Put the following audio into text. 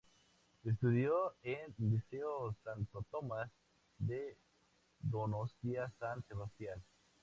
Estudió en Liceo Santo Tomás de Donostia-San Sebastián.